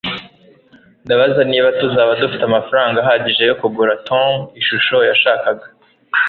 ndabaza niba tuzaba dufite amafaranga ahagije yo kugura tom ishusho yashakaga